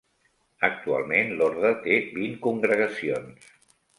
Actualment l'orde té vint congregacions.